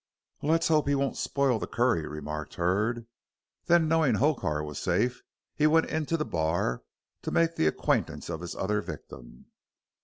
"Let's hope he won't spoil the curry," remarked Hurd. Then, knowing Hokar was safe, he went into the bar to make the acquaintance of his other victim.